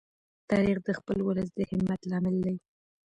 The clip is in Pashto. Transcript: تاریخ د خپل ولس د همت لامل دی.